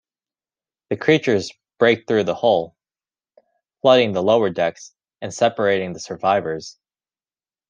The creatures break through the hull, flooding the lower decks and separating the survivors.